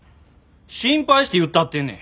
心配して言ったってんねん！